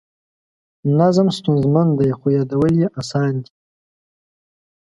نظم ستونزمن دی خو یادول یې اسان دي.